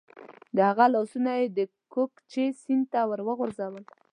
د هغوی لاسونه یې د کوکچې سیند ته ور وغورځول.